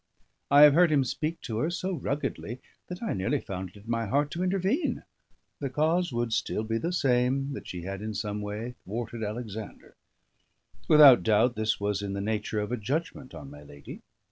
I have heard him speak to her so ruggedly that I nearly found it in my heart to intervene: the cause would still be the same, that she had in some way thwarted Alexander. Without doubt this was in the nature of a judgment on my lady.